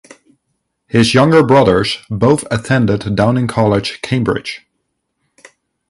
His younger brothers both attended Downing College, Cambridge.